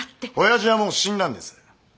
親父はもう死んだんです。